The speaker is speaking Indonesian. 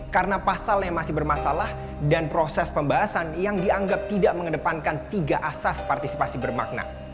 karena pasal yang masih bermasalah dan proses pembahasan yang dianggap tidak mengedepankan tiga asas partisipasi bermakna